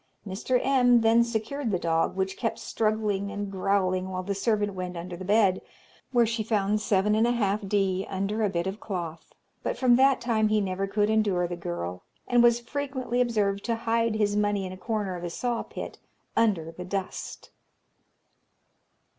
Mr. M. then secured the dog, which kept struggling and growling while the servant went under the bed, where she found 7½_d._ under a bit of cloth; but from that time he never could endure the girl, and was frequently observed to hide his money in a corner of a saw pit, under the dust.